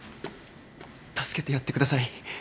助けてやってください。